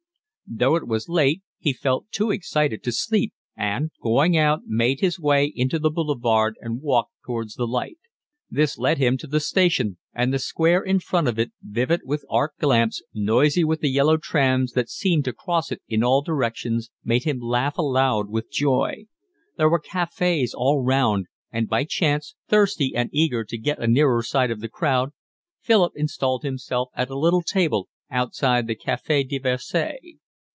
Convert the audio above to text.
Though it was late he felt too excited to sleep and, going out, made his way into the boulevard and walked towards the light. This led him to the station; and the square in front of it, vivid with arc lamps, noisy with the yellow trams that seemed to cross it in all directions, made him laugh aloud with joy. There were cafes all round, and by chance, thirsty and eager to get a nearer sight of the crowd, Philip installed himself at a little table outside the Cafe de Versailles.